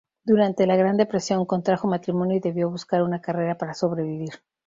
Durante la Gran Depresión contrajo matrimonio y debió buscar una carrera para sobrevivir.